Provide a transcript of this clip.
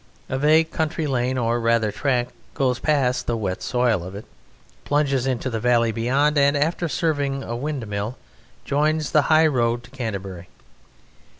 A vague country lane, or rather track; goes past the wet soil of it, plunges into the valley beyond, and after serving a windmill joins the high road to Canterbury.